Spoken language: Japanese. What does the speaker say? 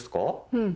うん。